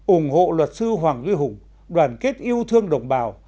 ủng hộ luật sư hoàng duy hùng đoàn kết yêu thương đồng bào